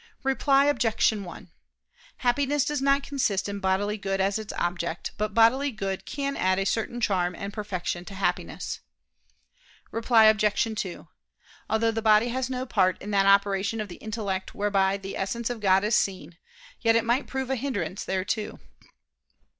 Reply Obj. 1: Happiness does not consist in bodily good as its object: but bodily good can add a certain charm and perfection to Happiness. Reply Obj. 2: Although the body has no part in that operation of the intellect whereby the Essence of God is seen, yet it might prove a hindrance thereto.